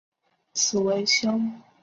此为萧沆一生唯一一次接受文学奖。